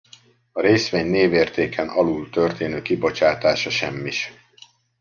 A részvény névértéken alul történő kibocsátása semmis.